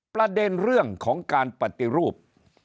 ประเด็นเรื่องของการปฏิรูป